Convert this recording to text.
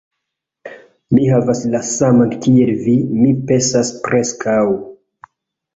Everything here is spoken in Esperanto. Mi havas la saman kiel vi, mi pensas preskaŭ...